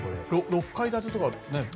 ６階建てとか。